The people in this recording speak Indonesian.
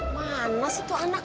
mana sih tuh anak